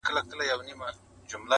کشکي دا اول عقل اخير واى.